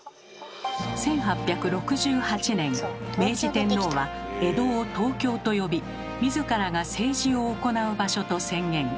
１８６８年明治天皇は江戸を「東京」と呼び自らが政治を行う場所と宣言。